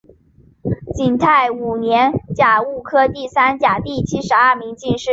景泰五年甲戌科第三甲第七十二名进士。